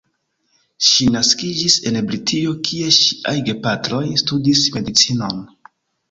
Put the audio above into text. Ŝi naskiĝis en Britio kie ŝiaj gepatroj studis medicinon.